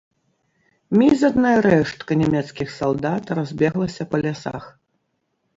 Мізэрная рэштка нямецкіх салдат разбеглася па лясах.